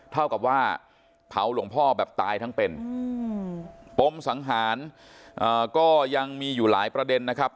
เท่ากับว่าเผาหลวงพ่อแบบตายทั้งเป็นปมสังหารก็ยังมีอยู่หลายประเด็นนะครับ